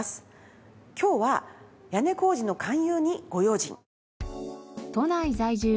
今日は屋根工事の勧誘にご用心！